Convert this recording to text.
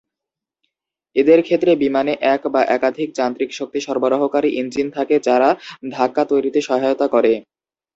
এদের ক্ষেত্রে বিমানে এক বা একাধিক যান্ত্রিক শক্তি সরবরাহকারী ইঞ্জিন থাকে যারা ধাক্কা তৈরিতে সহায়তা করে।